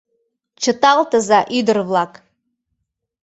Чыталтыза, ӱдыр-влак!